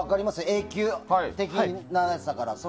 永久的なやつだから。